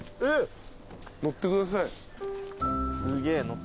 乗ってください。